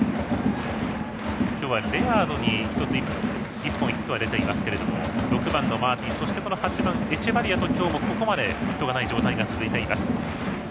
今日はレアードに１本ヒットが出ていますが６番のマーティン８番のエチェバリアと今日もここまでヒットがない状態です。